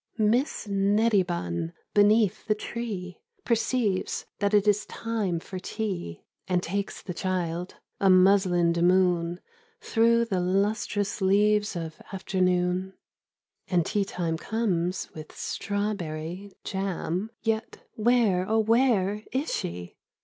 " Miss Nettybun, beneath the tree, Perceives that it is time for tea And takes the child, a muslined moon, Through the lustrous leaves of afternoon, 100 The Five Musicians. And tea time comes with strawberry Jam, — yet where, oh, where, is she